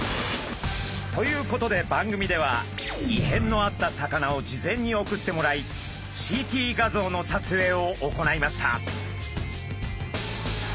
ということで番組では異変のあった魚を事前に送ってもらいＣＴ画像の撮影を行いました。